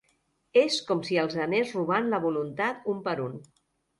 És com si els anés robant la voluntat un per un.